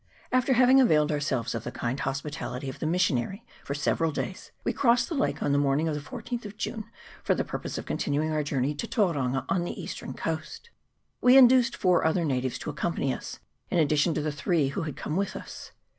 AFTER having availed ourselves of the kind hospi tality of the missionary for several days, we crossed the lake on the morning of the 14th of June, for the purpose of continuing our journey to Tauranga, on the eastern coast. We induced four other na tives to accompany us, in addition to the three who had come with us.